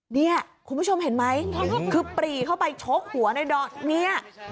เนี่ยคุณผู้ชมเห็นไหมคือปรีเข้าไปชกหัวในดอกเนี่ย